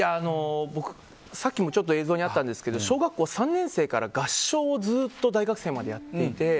僕、さっきも映像にあったんですけど小学３年生から合唱をずっと大学生までやっていて。